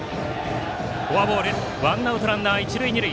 フォアボールワンアウトランナー、一塁二塁。